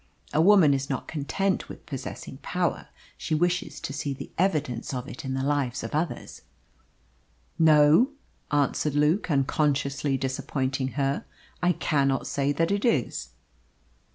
A woman is not content with possessing power; she wishes to see the evidence of it in the lives of others. "No," answered Luke, unconsciously disappointing her; "I cannot say that it is."